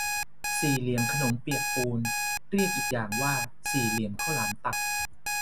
สี่เหลี่ยมขนมเปียกปูน เรียกอีกอย่างว่าสี่เหลี่ยมข้าวหลามตัด